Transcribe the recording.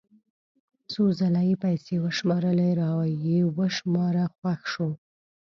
څو ځله یې پیسې وشمارلې را یې وشماره خوښ شو.